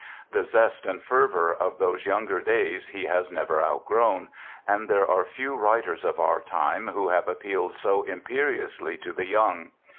The zest and fervour of those younger days he has never outgrown, and there are few writers of our time who have appealed so imperiously to the young.